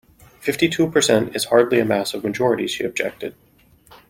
Fifty-two percent is hardly a massive majority, she objected